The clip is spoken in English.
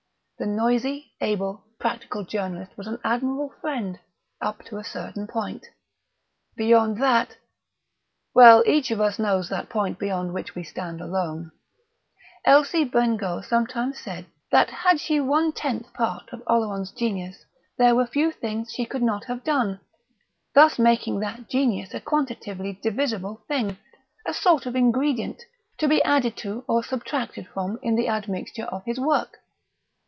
The noisy, able, practical journalist was an admirable friend up to a certain point; beyond that ... well, each of us knows that point beyond which we stand alone. Elsie Bengough sometimes said that had she had one tenth part of Oleron's genius there were few things she could not have done thus making that genius a quantitatively divisible thing, a sort of ingredient, to be added to or subtracted from in the admixture of his work.